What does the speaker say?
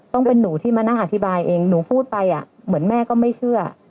ต้องเป็นหนูที่มานั่งอธิบายเองหนูพูดไปเหมือนแม่ก็ไม่เชื่อ